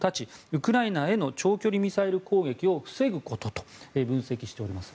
ウクライナへの長距離ミサイル攻撃を防ぐことと分析しています。